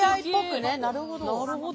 なるほど。